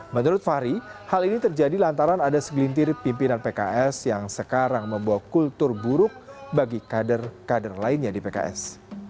menurut fahri hal ini terjadi lantaran ada segelintir pimpinan pks yang sekarang membawa kultur buruk bagi kader kader lainnya di pks